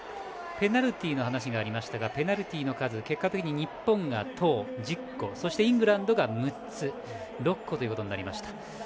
ペナルティーの話がありましたがペナルティーの数結果的に日本が１０個イングランドが６個となりました。